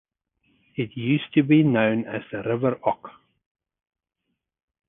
It used to be known as the River Ock.